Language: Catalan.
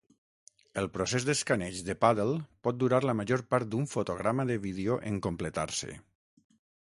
El procés d'escaneig de Paddle pot durar la major part d'un fotograma de vídeo en completar-se.